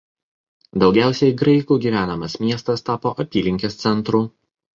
Daugiausiai graikų gyvenamas miestas tapo apylinkės centru.